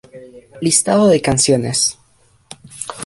Listado de canciones